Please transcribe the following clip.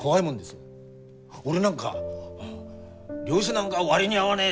俺なんか漁師なんか割に合わねえ